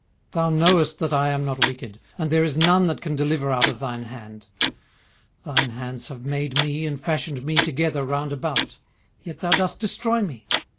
18:010:007 Thou knowest that I am not wicked; and there is none that can deliver out of thine hand. 18:010:008 Thine hands have made me and fashioned me together round about; yet thou dost destroy me.